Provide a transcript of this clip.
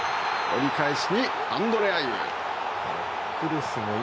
折り返しにアンドレ・アイウ。